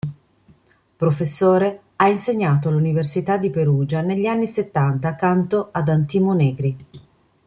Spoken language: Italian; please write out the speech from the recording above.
Professore, ha insegnato all'Università di Perugia negli anni settanta accanto ad Antimo Negri.